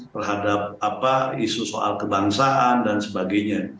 terhadap isu soal kebangsaan dan sebagainya